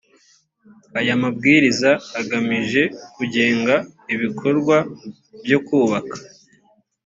aya mabwiriza agamije kugenga ibikorwa byo kubaka